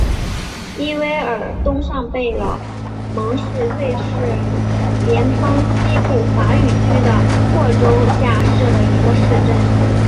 伊韦尔东上贝勒蒙是瑞士联邦西部法语区的沃州下设的一个市镇。